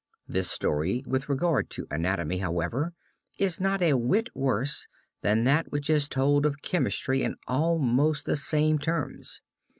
This story with regard to anatomy, however, is not a whit worse than that which is told of chemistry in almost the same terms.